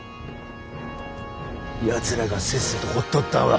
やつらがせっせと掘っとったんは。